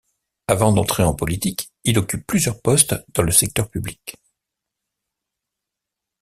Avant d'entrer en politique, il occupe plusieurs postes dans le secteur public.